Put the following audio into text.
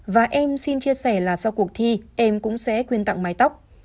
và em xin chia sẻ là sau cuộc thi em cũng sẽ quyên tặng mái tóc